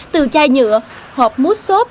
từ chai nhựa hộp mút xốp